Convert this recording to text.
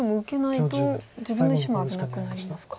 自分の石も危なくなりますか。